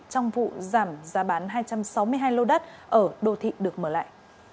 trong vụ giảm giá bán hai trăm sáu mươi hai lô đất ở đô thị được mở lại